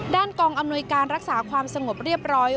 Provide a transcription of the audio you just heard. กองอำนวยการรักษาความสงบเรียบร้อย